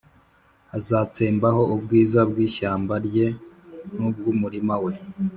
Azatsembaho ubwiza bw’ishyamba rye n’ubw’umurima we,